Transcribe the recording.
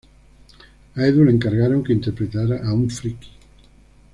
A Edu le encargaron que interpretara a un friki.